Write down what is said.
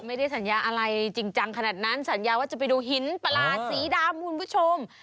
ไม่ได้สัญญาอะไรจริงจังขนาดนั้นสัญญาว่าจะไปดูหินปลาสีดำคุณผู้ชม